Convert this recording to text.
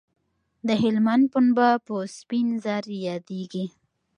د هلمند پنبه په سپین زر یادیږي